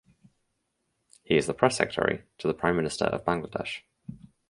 He is the press secretary to the Prime Minister of Bangladesh.